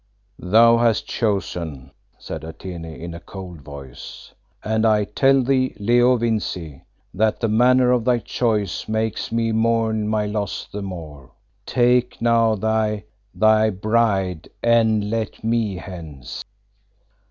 "Thou hast chosen," said Atene in a cold voice, "and I tell thee, Leo Vincey, that the manner of thy choice makes me mourn my loss the more. Take now thy thy bride and let me hence."